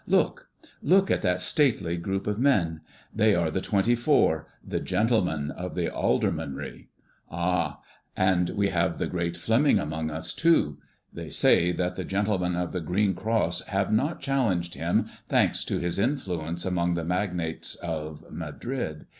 Look, look at that stately group of men! They are the Twenty four, the gentlemen of the Aldermanry. Aha! and we have the great Fleming among us too! They say that the gentlemen of the green cross have not challenged him, thanks to his influence among the magnates of Madrid.